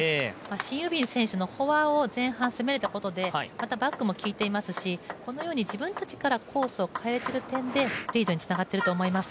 シン・ユビン選手のフォアを前半、攻めれたことでまたバックもきいていますしこのように自分たちからコースを変えている点でリードにつながっていると思います。